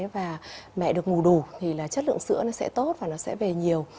và mẹ được ngủ đủ thì là chất lượng sữa nó sẽ tốt và nó sẽ về nhiều